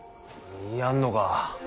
やんのか？